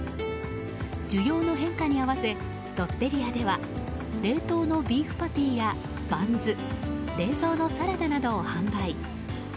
需要の変化に合わせロッテリアでは冷凍のビーフパティやバンズ冷蔵のサラダなどを販売。